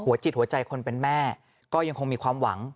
จิตหัวใจคนเป็นแม่ก็ยังคงมีความหวัง